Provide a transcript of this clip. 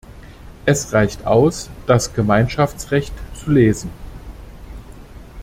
Es reicht aus, das Gemeinschaftsrecht zu lesen.